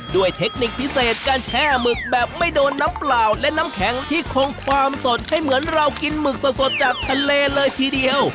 เทคนิคพิเศษการแช่หมึกแบบไม่โดนน้ำเปล่าและน้ำแข็งที่คงความสดให้เหมือนเรากินหมึกสดจากทะเลเลยทีเดียว